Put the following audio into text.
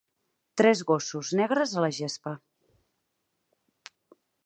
Tres gossos negres a la gespa.